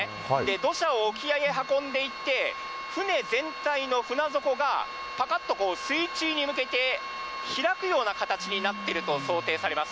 土砂を沖合へ運んでいって、船全体の船底がぱかっと水中に向けて開くような形になっていると想定されます。